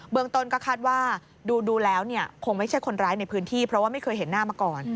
เมืองต้นก็คาดว่าดูแล้วคงไม่ใช่คนร้ายในพื้นที่เพราะว่าไม่เคยเห็นหน้ามาก่อน